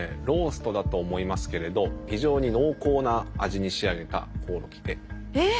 ローストだと思いますけれど非常に濃厚な味に仕上げたコオロギで。